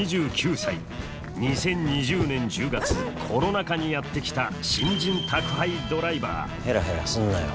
２０２０年１０月コロナ禍にやって来た新人宅配ドライバーヘラヘラすんなよ。